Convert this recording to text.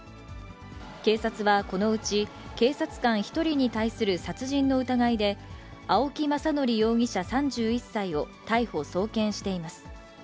警察はこのうち、警察官１人に対する殺人の疑いで、青木政憲容疑者３１歳を逮捕・送検しています。